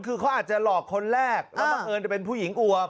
คือเขาอาจจะหลอกคนแรกแล้วบังเอิญจะเป็นผู้หญิงอวบ